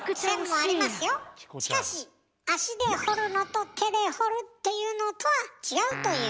しかし足で掘るのと手で掘るっていうのとは違うという。